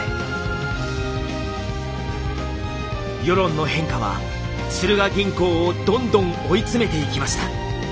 世論の変化はスルガ銀行をどんどん追い詰めていきました。